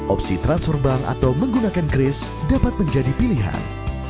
opsi transfer bank atau menggunakan grace dapat menjadi pilihan